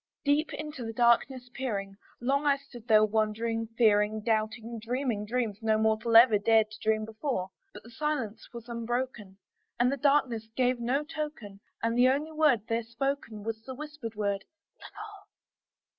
Deep into that darkness peering, long I stood there wondering, fearing, Doubting, dreaming dreams no mortal ever dared to dream before; But the silence was unbroken, and the stillness gave no token, And the only word there spoken was the whispered word, "Lenore?"